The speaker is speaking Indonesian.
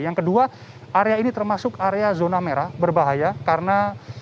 yang kedua area ini termasuk area zona merah berbahaya karena